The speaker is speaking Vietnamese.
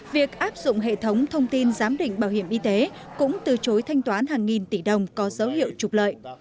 việc áp dụng hệ thống thông tin giám định bảo hiểm y tế cũng từ chối thanh toán hàng nghìn tỷ đồng có dấu hiệu trục lợi